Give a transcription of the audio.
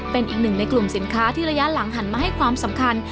เป็นอีกหนึ่งในกลุ่มสินค้าที่ระยะหลังหันมาให้ความสำคัญ